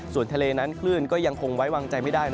ส่วนทะเลนั้นคลื่นก็ยังคงไว้วางใจไม่ได้